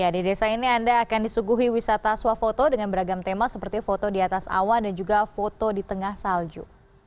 di desa ini anda akan disuguhi wisata swafoto dengan beragam tema seperti foto di atas awa dan juga foto di tengah salju